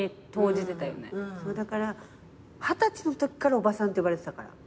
だから二十歳のときからおばさんって呼ばれてたから。